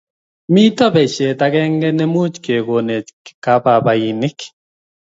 Mito besiet agenge ne mukekonech kababainik